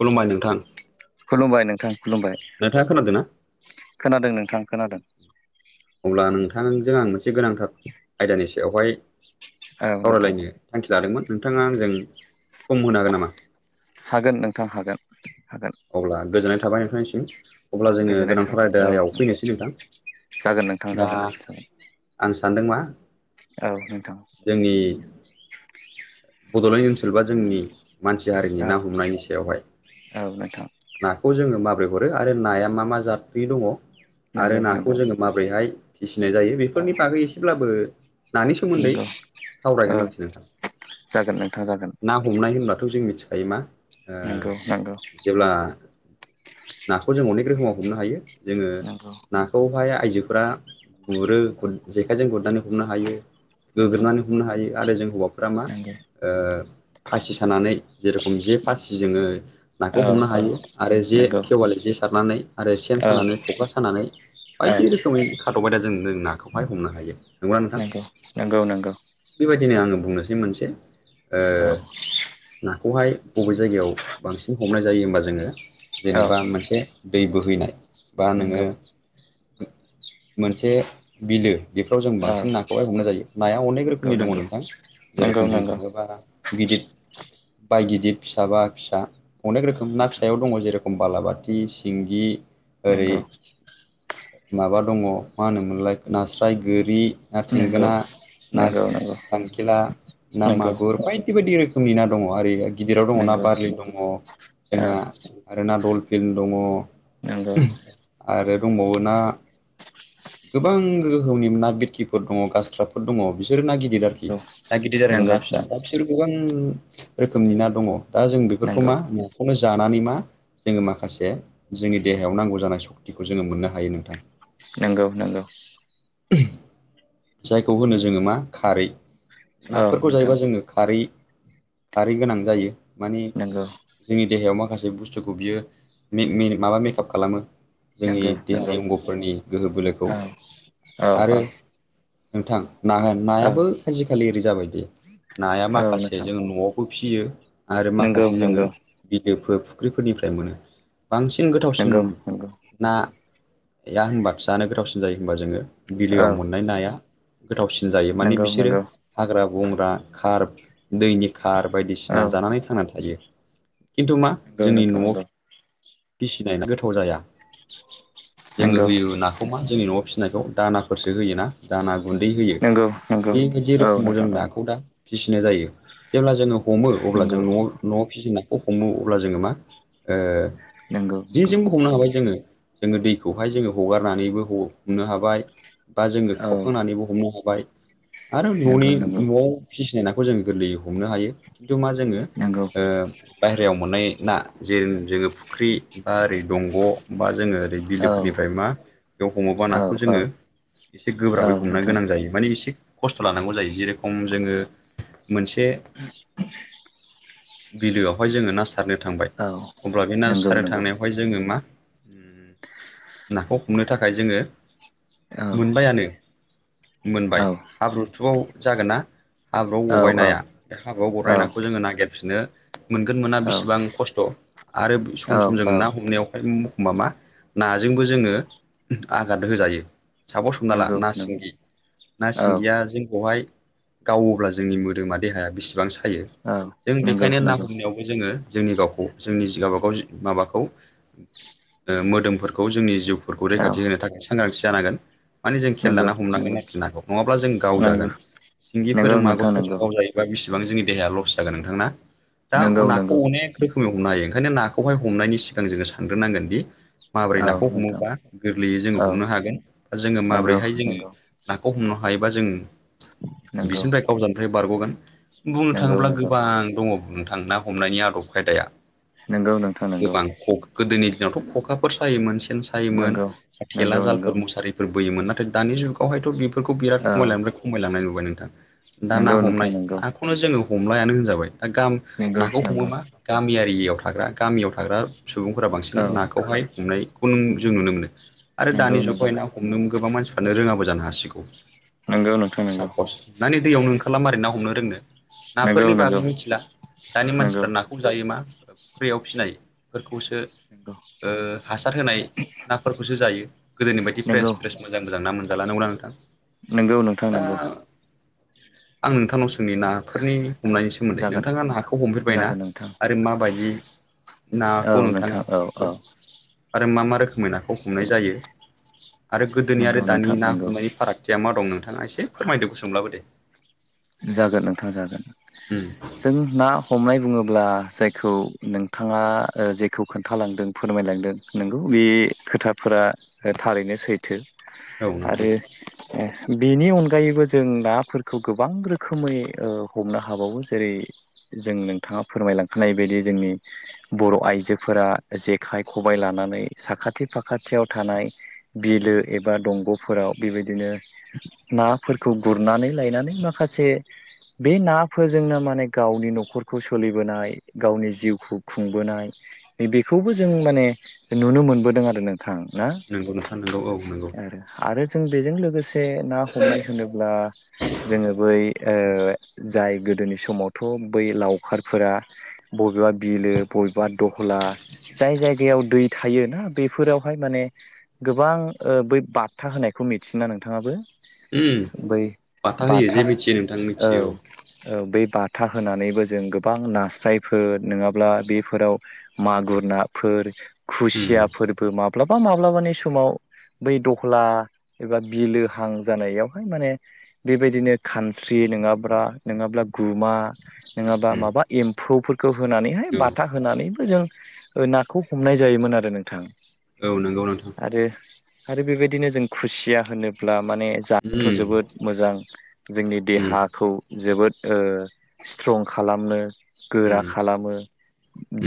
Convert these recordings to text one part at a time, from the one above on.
खुलुमबाय नोंथां। खुलुमबाय नोंथां खुलुमबाय नोंथाङा खोनादों ना खोनादों नोंथां खोनादों। अब्ला नोंथांजों आं मोनसे गोनांथार आयदानि सायावहाय औ नोंथां सावरायलायनो थांखि लादोंमोन नोंथाङा आंजों सम होनो हागोन नामा? हागोन नोंथां हागोन। हागोन अब्ला गोजोननाय थाबाय नोंथांनिसिम अब्ला जोङो गोजोननाय गोनांथार थाबाय औ आयदायाव फैनोसै नोंथां? जागोन नोंथां जागोन जागोन। सान्दों मा औ नोंथां। जोंनि बडलेण्ड ओनसोल बा जोंनि मानसि हारिनि औ ना हमनायनि सायावहाय औ नोंथां नाखौ जोङो माब माबोरै हरो आरो नाया मा मा जादनि दङ आरो नंगौ नंगौ नाखौ जोङो माबोरैहाय फिसिनाय जायो औ बेफोरनि बागै एसेब्लाबो नानि सोमोन्दै नंगौ औ सावरायगोन आरोखि नोंथां। जागोन नोंथां जागोन ना हमनाय होनब्लाथ जों मिथि खायो मा ओ नंगौ नंगौ जेब्ला नाखौ जों अनेक रोखोमाव हमनो हायो जोङो नंगौ नाखौहाय आइजोफोरा गुरो खन जेखायजों गुरनानै हमनो हायो नंगौ नंगौ गोग्रोमनानै हमनो हायो आरो जों हौवाफोरा मा औ ओ फासि सानानै जेरेखम जे फासि जोङो नाखौ हमनो हायो आरो जे नंगौ खेवालि जे सारनानै आरो सेन औ सानानै खखा सानानै बायदि रोखोमै खादब आयदाजों जों नाखौहाय हमनो हायो नंगौना नोंगौ नोंगौ नोंगौ दिनै आङो बुंनोसै मोनसे औ बे खौहाय बबे जायगायाव बांसिन हमनाय जायो होमबा जोङो औ जेनेबा मोनसे दैबो हैनाय बा नोङो नंगौ मोनसे बिलो बेफोराव जों औ बांसिन नाखौहाय हमनाय जायो नाया अनेक नंगौ रोखोमनि दङ नोंथां नंगौ जेरेखम नंगौ बुंनो नंगौ थाङो ब्ला गिदिर बा गिदिर फिसा बा फिसा अनेक औ रोखोम ना नोंथां फिसायाव दङ जेरखम बालाबाथि सिंगि ओरै नंगौ। माबा दङ मा होनोमोनलाय नास्राय गोरि ना नंगौ थेंगोना ना नंगौ नंगौ खांखेला ना मा नंगौ बायदि बायदि रोखोमनि ना दङ आरो गिदिराव दङ ना नंगौ बारलि दङ जोंहा औ आरो ना दलफिन दङ! नंगौ आरो दंबावो ना गोबां रोखोमनि ना बिरखिफोर दङ ग्रासकार्पफोर दङ बिसोर ना गिदिर आरोखि नंगौ ना गिदिर आरोा नंगौ ना फिसा ना बिसोर गोबां रोखोमनि ना दङ दा जों बेफोरखौ नंगौ मा नाखौनो जानानै मा जोङो माखासे जोंनि देहायाव नांगौ जानाय सशक्तिखौ जोङो मोननो हायो नोंथां। नंगौ नंगौ जायखौ होनो जोङो मा खारै औ नाफोरखौ जायोबा नोंथां जोङो खारै खारै गोनां जायो मानि नंगौ जोंनि देहायाव माखासे बुस्थुखौ बियो माबा मेकआप खालामो जोंनि नंगौ देहानि नंगौ अंगफोरनि गोहो बोलो औ औ औ नोंथां औ नायाबो आजिखालि ओरै जाबायदि नाया औ माखासे नोंथां जों न'आवबो फिसियो आरो नंगौ माखासे जोङो नंगौ बिलोफोर फुख्रिफोरनिफ्राय मोनो। बांसिन गोथावसिन नंगौ नंगौ नाया होनबा जानो गोथावसिन जायो होनबा जोङो बिलोआव औ मोननाय नाया गोथावसिन जायो माने नंगौ बिसोरो नंगौ हाग्रा बंग्रा खार दैनि खार औ बायदिसिना जानानै थांनानै थायो खिन्थु मा नंगौ जोंनि नोंथां न'आव फिसिनाया गोथाव जाया जोङो नंगौ होयो नाखौ मा जोंनि न'आव फिसि फनायखौ दानाफोरसो होय ना दाना गुन्दै होयो नंगौ नंगौ बेबायदि औ रोखोमाव जों नोंथां औ नाखौ दा फिसिनाय जायो जेब्ला जोङो हमो अब्ला जों न'आव न'आव फिसिनाय हमो अब्ला जोङो मा ओ नंगौ नंगौ जे नंगौ जोंबो हमनो हाबाय जोङो जोङो दैखौहाय जोङो हगारनानैबो हमनो हाबाय बा जोङो औ खावखांनानैबो हमनो हाबाय आरो न'नि नंगौ नंगौ न'आव फिसिनाय नाखौ जों गोरलैयै हमनो हायो। जोङो नंगौ ओक् बाहेरायाव मोननाय ना जेरै फुख्रि बा ओरै दंग' बा जोङो ओरै औ बिलोफोरनिफ्राय मा बेयाव हमोबा औ नाखौ औ जोङो एसे औ गोब्राबै हमनो नोंथां गोनां जायो माने एसे खस्थ' लानांगौ जायो जेरखम जोङो मोनसे बिलोआवहाय जोङो ना सारनो थांबाय औ अब्ला बे ना नंगौ सारनो नंगौ थांनायावहाय जोङो मा नाखौ हमनो थाखाय जोङो औ मोनबायानो मोनबाय औ हाब्रुथुआव जागोन ना हाब्रु औ गबायनाया बे हाब्रआव औ बरायनाखौ जोङो नागिरफिनो मोनगोन मोना औ बेसेबां खस्थ' आरो सम औ सम जों औ ना हमनायावहाय माबा नाजोंबो जोङो आघाद होजायो सापस हमना ला नंगौ ना नंगौ सिंगि, ना औ सिंगिया जोंखौहाय गावोब्ला जोंनि मोदोमा देहाया बेसेबां सायो औ जों नंगौ बेखायनो ना नंगौ हमनायावबो जोङो जोंनि गावखौ जोंनि गावबागाव माबाखौ ओ मोदोमफोरखौ जोंनि जिउ फोरखौ औ रैखाथि होनो थाखाय सांग्रांथि जानांगोन माने जों खेल ला नंगौ नंगौ हमनांगोन नाखौ नङाब्ला जों गावजागोन। नंगौ सिंगि नंगौ फोरजों मागुर नोंथां फोरजों गावजायोबा बिसि बां जोंनि देहाया लस जागोन नोंथां ना? दा नंगौ नाखौ नंगौ अनेक रोखोमै हमनो हायो, ओंखायनो नाखौ हाय हमनायनि नंगौ सिगां जोङो सानग्रोनांगोन दि माबोरै औ नाखौ नोंथां हमोबा गोरलैयै जोङो औ हमनो हागोन बा जोङो नंगौ माबोरैहाय जोङो नंगौ नाखौ हमनो हायोबा जों नंगौ बिसोरनिफ्राय गावजानायनिफ्राय बारग'गोन। बुंनो नंगौ थाङोब्ला नंगौ गोबां दङ बुंनो नोंथां ना हमनायनि आदब खायदाया। नंगौ नोंथां नंगौ गोबां ख' गोदोनि दिनावथ' खखाफोर सायोमोन ‌सेन‌ सायोमोन, नंगौ थेला नंगौ नंगौ जालफोर, मुसारिफोर बोयोमोन नाथाय दानि जुगावहायथ' बेफोरखौ बिराद औ खमायलांनायनिफ्राय खमायलांनाय नुबाय नोंथां। दा ना नंगौ नोंथां हमनाय नंगौ नाखौनो जोङो हमलायानो होनजाबाय। दा गाम नंगौ नाखौ हमो नंगौ मा गामियारि एरियायाव थाग्रा गामियाव थाग्रा सुबुंफोरा औ बांसिन नाखौहाय हमनायखौ नो जों नुनो मोनो आरो नंगौ दानि नंगौ जुगावाय ना हमनो गोबां मानसिफ्रानो रोङाबो जानो हासिगौ। नंगौ नोंथां नंगौ सापस माने दैयावनो ओंखारला मारै ना हमनो रोंनो। नंगौ नाफोरनि बागै नंगौ मिथिला दानि नंगौ मानसिफ्रा नाखौ जायो मा फुख्रियाव फिनाय खौसो। ओ हासार होनाय नाफोरखौसो जायो, गोदोनि बायदि फ्रेस फ्रेस मोजां मोजां ना मोन जाला, नंगौना नोंथां? नोंगौ नोंथां दा नंगौ। आं नोंथांनाव सों जोंनि नाफोरनि हमनायनि सोमोन्दै जागोन नोंथाङा नाखौ हमफेरबायना जागोन नोंथां आरो माबायदि औ नाखौ नोंथां नोंथाङा औ औ हमखो आरो मा मा रोखोमै नाखौ हमनाय जायो आरो गोदोनि नंगौ आरो नोंथां दानि ना नंगौ हमनायनि फारागथिया मा दं नों थाङा एसे फोरमायदो गुसुंब्लाबो दे। जागोन नोंथां जागोन। उम जों ना हमनाय बुङोब्ला जायखौ नोंथाङा ओ जेखौ खोन्थालांदों, फोरमायलांदों नंगौ बे खोथाफोर आ थारैनो सैथो औ नोंथां आरो ओ बेनि अनगायैबो जों नाफोरखौ गोबां रोखोमै ओ हमनो हाबावो जेरै जों नोंथाङा फोरमायलांखानाय बायदि जोंनि बर' आइजोफोरा जेखाइ, खबाय लानानै साखाथि फाखाथियाव थानाय बिलो एबा दंग'फोराव बेबायदिनो नाफोरखौ गुरनानै लायनानै मा खासे बे नाफोरजोंनो माने गावनि न'खरखौ सोलिबोनाय, गावनि जिउखौ खुंबोनाय बेखौबो जों माने नुनो मोनबोदों आरो नों थां ना? नंगौ नोंथां नंगौ औ नंगौ आरो, आरो जों बेजों लोगोसे ना हमनाय होनोब्ला जोङो बै ओ जाय गोदोनि समावथ' बै लावखारफोरा बबेबा बिलो बबेबा दहला जाय जायगायाव दै थायोना बेफोरावहाय माने गोबां ओ बै बाथा होनायखौ मिथियोना नोंथाङाबो? उम बै बाथा होयो जे मिथियो नोंथां मिथियो औ। औ बै बाथा होनानैबो जों गोबां नास्रायफोर नङाब्ला बेफोराव मागुर नाफोर, औ खुसिया उम फोरबो माब्लाबा माब्लाबानि समाव बै दहला एबा बिलोहां जानायावहाय माने बेबायदिनो खानस्रि नङाब्ला नङाब्ला गुमा उम नङाबा उम माबा एम्फौफोर खौ होनानैहाय औ बाथा होनानैबो जों ओ नाखौ हमनाय जायोमोन आरो नोंथां। औ नोंगौ नोंथां। आरो आरो बेबायदिनो जों खुसिया होनोब्ला माने जानोथ' उम जोबोद मोजां जोंनि उम देहाखौ जोबोद ओ स्ट्रं खालामनो गोरा उम खालामो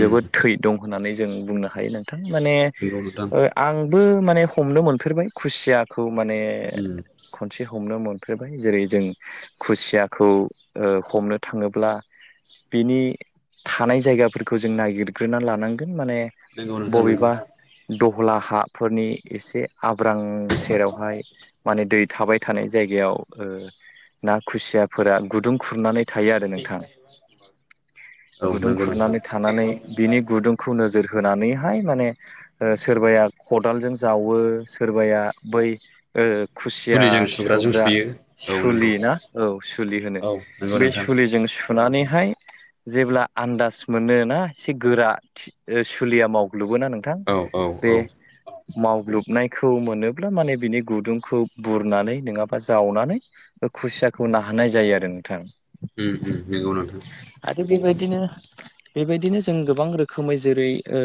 उम थै दं होननानै जों बुंनो हायो नों थां माने नंगौ नोंथां ओ आंबो माने हमनो मोनफेरबाय खुसियाखौ खौ माने उम खनसे हमनो मोनफेरबाय जेरै जों खुसियाखौ ओ हमनो थाङोब्ला बिनि थानाय जायगाफोरखौ जों नागिरग्रोना लानांगोन माने नंगौ नोंथां नंगौ बबेबा दह गला हाफोरनि एसे आब्रां सेरावहाय माने दै थाबाय थानाय जायगायाव ओ ना खुसियाफोरा गुदुं खुरनानै थायो आरो नोंथां औ गुदुं नंगौ नोंथां खुरनानै थानानै बिनि गुुदुं खौ नोजोर होनानैहाय माने ओ सोरबाया खदालजों जावो सोरबाया बो बै ओ खुसिया सुलिजों सुग्राजों सुग्रा सुयो औ नंगौ सुलि ना औ सुलि होनो औ नंगौ बे नोंथां सुलिजों - थुनानैहाय जेब्ला आन्दाज मोनो ना एसे गोरा सुलिया मावग - लुुबो नोंथां औ औ बे औ - मावग्लोबनायखौ मोनोब्ला माने बिनि गुदुंखौ बुरनानै नङाबा जावनानै खुसियाखौ नाहानाय जायो आरो नोंथां। उम उम नोंगौ नोंथां। आरो बेबायदिनो बेबायदिनो जों गोबां रोखोमै जेरै ओ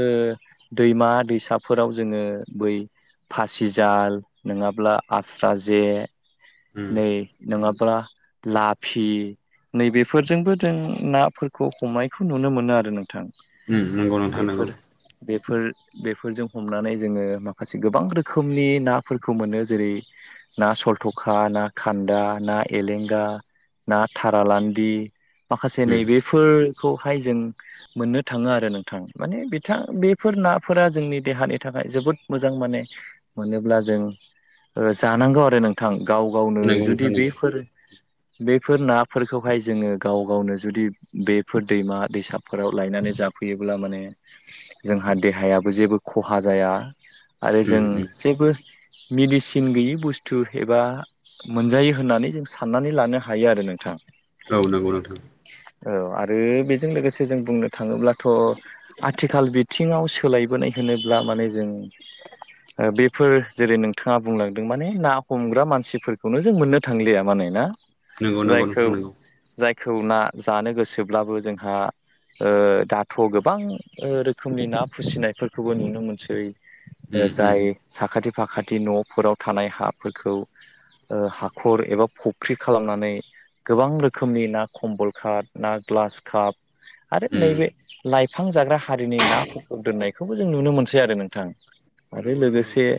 दैमा दैसाफोराव जोङो बै फासिजाल नङाब्ला आस्रा जे उम नै नङाब्ला लाफि नैबेफोरजोंबो जों नाफोरखौ हमायखौ नुनो मोनो आरो नों थां उम नंगौ नोंथां बेफोर नंगौ बे - बेफोर बेफोरजों हमनानै जोङो माखासे गोबां रोखोमनि नाफोरखौ मोनो जेरै ना सलथ'खा ना खान दा ना एलेंगा ना थारालान्दि माखासे उम नैबेफोर खौहाय जों मोननो थाङो आरो नोंथां माने बिथां बेफोर नाफोरा जोंनि देहानि थाखाय जोबोद मोजां माने मोनोब्ला जों जानांगौ आरो नोंथां। गाव गावनो नंगौ जुदि नोंथां नंगौ बेफोर [inaudible] बेफोर नाफोरखौहाय जोङो गाव गावनो जुदि बेफोर दैमा दैसाफोराव लायनानै जाब फैयोब्ला माने जोंहा देहायाबो जेबो खहा जाया। आरो उम जों उम जेबो मेडिसिन गैयि बुस्थु एबा मोनजायो होननानै जों साननानै लानो हायो आरो नोंथां। औ नोंगौ नोंथां। औ आरो बेजों लोगोसे जों बुंनो थाङोब्लाथ' आथिखाल बिथिङाव सोलायबोनाय होनोब्ला माने जों बेफोर जेरै नोंथाङा बुंलांदों माने ना हमग्रा मानसिफोर बेखौनो जों मोननो थांलिया माने ना? नंगौ नंगौ नोंथां नोंगौ। खौ ना जानो गोसोब्लाबो जोंहा ओ दाथ' गोबां रोखोमनि ना फुसिनायफोरखौबो नुनो मोनसै । ओ उम जाय उम साखाथि फाखाथि न'फोराव थानाय हाफोरखौ हाखर एबा फुख्रि खालामनानै गोबां रोखोमनि ना कम्बल कात ना ग्लास कात आरो उम नैबे लाइट बिफां जाग्रा हारिनि ना दोननायखौबो जों नुनो मोनसै आरो नोंथां। आरो नंगौ नंगौ लोगोसे नोंथां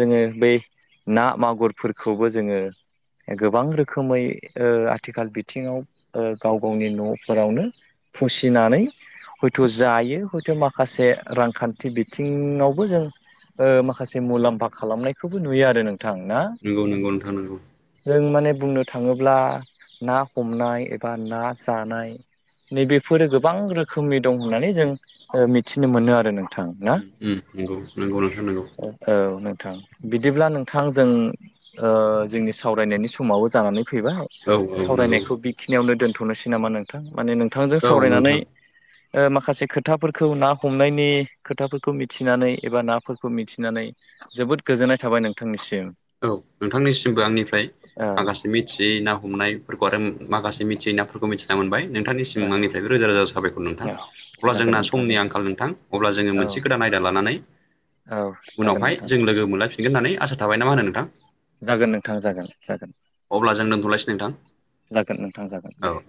जोङो बै ना मागुरफोरखौबो जोङो गोबां रोखोमै ओ आथिखाल बिथिङाव गाव गावनि न'फोरावनो फुसिनानै हयथ' जायो हयथ' माखासे रांखान्थि बिथिङावबो जों ओ माखासे मुलाम्फा खालामनायखौबो नुयो आरो नोंथां ना? नंगौ नंगौ नोंथां नंगौ जों माने बुंनो थाङोब्ला ना हमनाय एबा ना जानाय नैबेफोरो गोबां रोखोमनि दं होननानै जों मिथिनो मोनो आरो थां ना उम उम नंगौ नंगौ नोंथां नंगौ औ नों थां बिदिब्ला नोंथां जों ओ जोंनि सावरायनायनि समावबो जानानै फैबाय औ औ नंगौ सावरायनायखौ बेखिनियावनो दोनथ'नोसै नामा नोंथां माने नों थांजों औ नोंथां सावरायनानै ओ माखासे खोथाफोरखौ ना हमनायनि खोथाफोरखौ मिथिनानै एबा नाफोरखौ मिथिनानै जोबोद गोजोननाय थाबाय नोंथांनिसिम औ नोंथांनिसिमबो आंनिफ्राय औ माखासे मिथियै ना हमनाय आरो माखासे मिथियि नाफोरखौ मिथिना मोनबाय औ नोंथांनिसिम आंनिफ्रायबो रोजा रोजा साबायखर नोंथां औ अब्ला जागोन जोंना नोंथां समनि जागोन आंखाल नोंथां अब्ला जोङो औ मोनसे नाय लानानै औ जागोन उनावहाय नोंथां जों लोगो मोनलायफिनगोन होननानै आसा थाबाय ना मा होनो नोंथां जागोन नोंथां जागोन जागोन अब्ला जों ओ दोनथ'लायसै नोंथां जागोन नोंथां जागोन दे औ